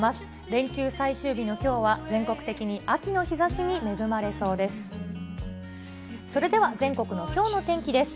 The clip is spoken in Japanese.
連休最終日のきょうは、全国的に秋の日ざしに恵まれそうです。